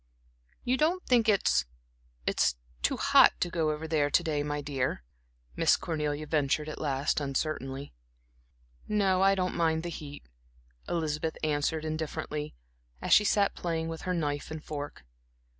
"You don't think it's it's too hot to go over there to day, my dear?" Miss Cornelia ventured at last uncertainly. "No, I don't mind the heat," Elizabeth answered indifferently, as she sat playing with her knife and fork.